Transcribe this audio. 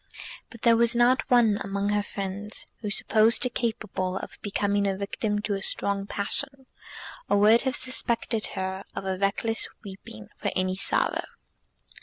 But there was not one among her friends who supposed her capable of becoming a victim to a strong passion, or would have suspected her of reckless weeping for any sorrow.